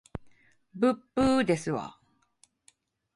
ぶっぶーですわ